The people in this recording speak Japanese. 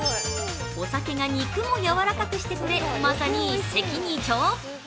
お酒が肉もやわらかくしてくれ、まさに一石二鳥。